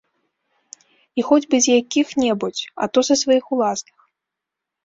І хоць бы з якіх-небудзь, а то са сваіх уласных.